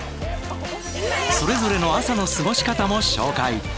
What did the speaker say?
それぞれの朝の過ごし方も紹介。